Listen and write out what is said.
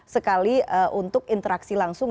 sekali untuk interaksi langsung